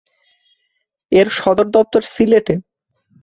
এর সদর দপ্তর সিলেটে।